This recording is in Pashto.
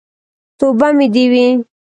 توبه مې دې وي.